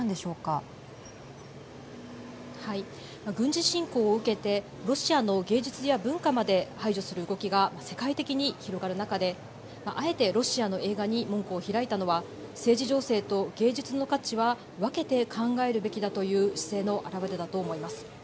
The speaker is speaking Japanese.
軍事侵攻を受けてロシアの芸術や文化まで排除する動きが世界的に広がる中であえてロシアの映画に門戸を開いたのは政治情勢と芸術の価値は分けて考えるべきだという姿勢の表れだと思います。